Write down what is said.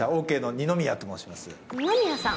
二宮さん？